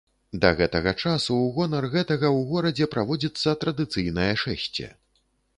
Да гэтага часу ў гонар гэтага ў горадзе праводзіцца традыцыйнае шэсце.